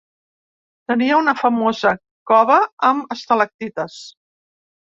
Tenia una famosa cova amb estalactites.